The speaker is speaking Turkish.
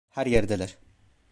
Her yerdeler.